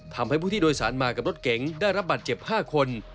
ทำให้ผู้ที่โดยสารมากับรถเก๋งได้รับบัตรเจ็บ๕คน